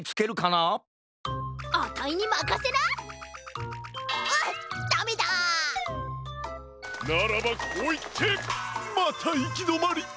ならばこういってまたいきどまり！